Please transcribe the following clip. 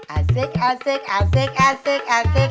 asik asik asik asik asik